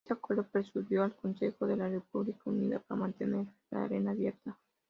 Este acuerdo persuadió al Consejo de la República Unida para mantener la Arena abierta.